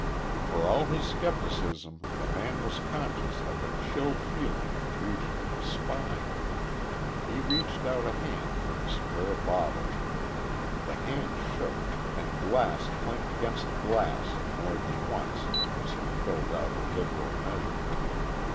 For all his scepticism the man was conscious of a chill feeling in the region of the spine. He reached out a hand for the square bottle. The hand shook, and glass clinked against glass more than once as he filled out a liberal measure.